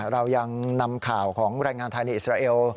เรายังนำข่าวของแรงงานไทยในอิสราเอล